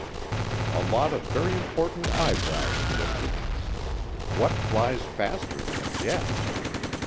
A lot of very important eyebrows lifted. What flies faster than a jet?